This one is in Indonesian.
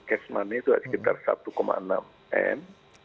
cash money itu sekitar satu enam m